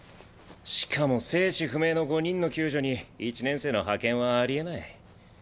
しかも生死不明の５人の救助に一年生の派遣はありえない。